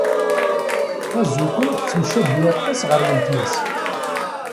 Kazuko tettemcabi aṭas ɣer weltma-s.